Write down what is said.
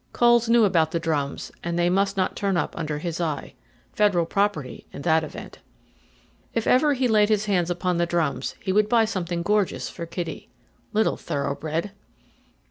Coles knew about the drums, and they must not turn up under his eye. Federal property, in that event. If ever he laid his hands upon the drums he would buy something gorgeous for Kitty. Little thoroughbred!